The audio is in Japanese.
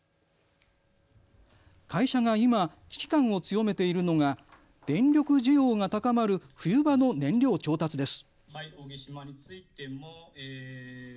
会社が今、危機感を強めているのが、電力需要が高まる冬場の燃料調達です。